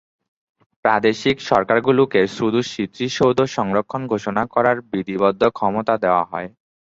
প্রাদেশিক সরকারগুলোকে শুধু স্মৃতিসৌধ সংরক্ষণ ঘোষণা করার বিধিবদ্ধ ক্ষমতা দেওয়া হয়।